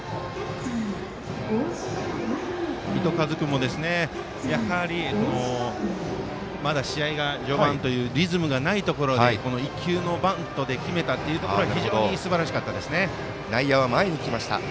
糸数君も、やはりまだ試合が序盤というリズムがないところで１球のバントで決めたところは非常にすばらしかったですね。